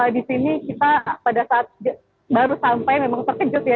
di sini kita pada saat baru sampai memang terkejut ya